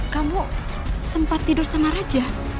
kamu sempat tidur sama raja